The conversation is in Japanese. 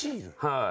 はい。